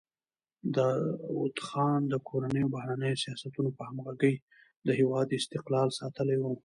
داوود خان د کورنیو او بهرنیو سیاستونو په همغږۍ د هېواد استقلال ساتلی و.